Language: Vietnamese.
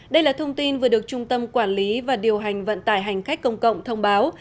đây là thông tin vừa được trung tâm quản lý và điều hành vận tải hành khách công cộng thông báo